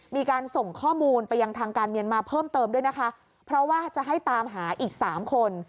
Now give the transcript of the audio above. มีการส่งข้อมูลไปยังทางการเมียนมาเพิ่มเติมด้วยนะคะเพราะว่าจะให้ตามหาอีกสามคน